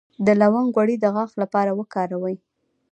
د لونګ غوړي د غاښ لپاره وکاروئ